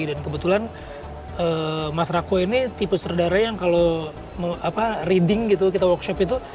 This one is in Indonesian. dan kebetulan mas rako ini tipe surdara yang kalo reading gitu kita workshop itu